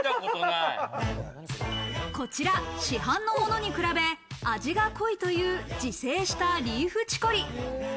こちら、市販のものに比べ味が濃いという自生したリーフチコリ。